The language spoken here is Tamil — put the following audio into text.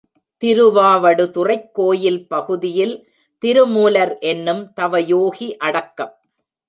திருவாவடுதுறைக் கோயில் பகுதியில் திருமூலர் என்னும் தவயோகி அடக்கம்.